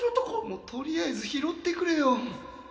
もう取りあえず拾ってくれよ